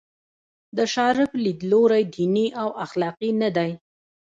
د شارپ لیدلوری دیني او اخلاقي نه دی.